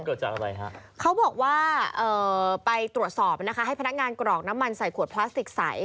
เกิดจากอะไรฮะเขาบอกว่าเอ่อไปตรวจสอบนะคะให้พนักงานกรอกน้ำมันใส่ขวดพลาสติกใส